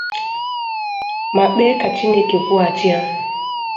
ma kpee ka Chineke kwụghachi ha.